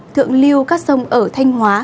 thượng lưu các sông ở thanh hóa